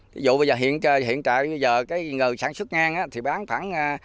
ví dụ bây giờ hiện tại ngờ sản xuất ngang thì bán phẳng